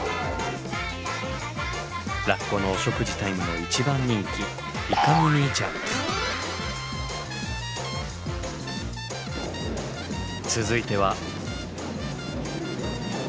ラッコのお食事タイムのいちばん人気続いては。